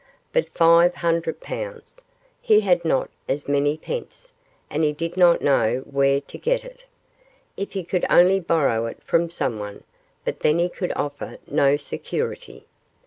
But five hundred pounds! He had not as many pence, and he did not know where to get it. If he could only borrow it from someone but then he could offer no security.